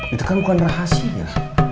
itu kan bukan rahasinya